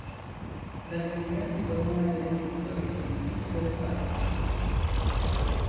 Dagli anni venti tornò ai temi pittorici tipici del paesaggio.